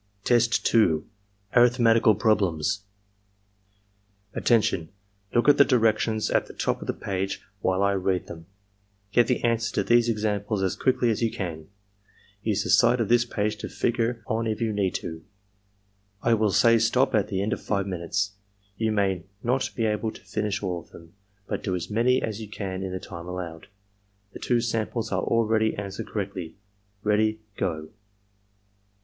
Test 2. — ^Arifhmetical Problems "Attention! Look at the directions at the top of the page while I read them. 'Get the answers to these examples as quickly as you can. Use the side of this page to figure on if you need to.' I will say stop at the end of five minutes. You may not be able to finish all of them, but do as many as you can in the time allowed. The two samples are already an swered correctly. — Ready — Go!"